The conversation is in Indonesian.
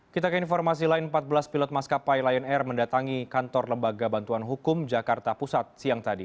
kita ke informasi lain empat belas pilot maskapai lion air mendatangi kantor lembaga bantuan hukum jakarta pusat siang tadi